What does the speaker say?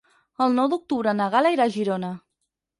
El nou d'octubre na Gal·la irà a Girona.